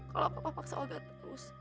kalau papa paksa olga terus